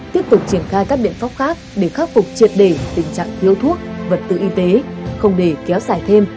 tiếp tục triển khai các biện pháp khác để khắc phục triệt để tình trạng lô thuốc vật tư y tế không để kéo dài thêm